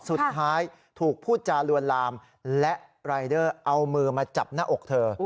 สุดท้ายถูกพูดจารวนลามและรายเดอร์เอามือมาจับหน้าอกเธอ